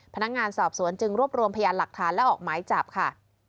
พนักงานสอบสวนจึงรวบรวมพยานหลักฐานและออกหมายจับค่ะ